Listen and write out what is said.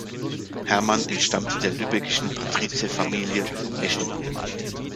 Hermann entstammte der Lübeckischen Patrizierfamilie Eschenburg.